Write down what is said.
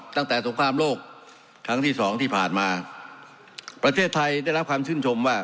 สงครามโลกครั้งที่สองที่ผ่านมาประเทศไทยได้รับความชื่นชมว่า